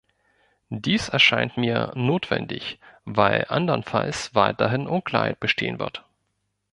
Dies erscheint mir notwendig, weil andernfalls weiterhin Unklarheit bestehen wird.